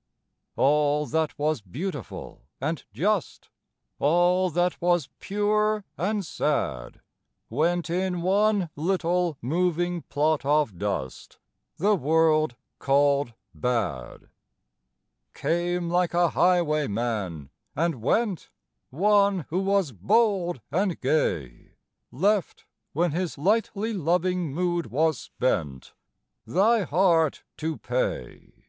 _) All that was beautiful and just, All that was pure and sad Went in one little, moving plot of dust The world called bad. Came like a highwayman, and went, One who was bold and gay, Left when his lightly loving mood was spent Thy heart to pay.